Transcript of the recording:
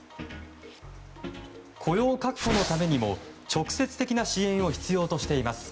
雇用確保のためにも直接的な支援を必要としています。